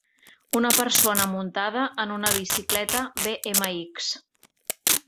Una persona muntada en una bicicleta bmx